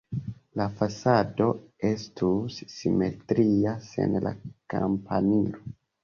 La fasado estus simetria sen la kampanilo.